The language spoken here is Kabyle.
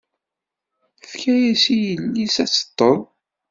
Tefka-yas i yelli-s ad teṭṭeḍ.